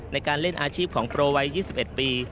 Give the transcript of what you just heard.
ในการเล่นอาชีพของโปรวัย๒๑ปี